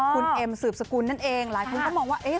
คุณเอ็มสืบสกุลนั่นเองหลายคนก็มองว่าเอ๊ะ